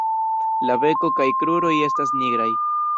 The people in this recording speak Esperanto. La beko kaj kruroj estas nigraj.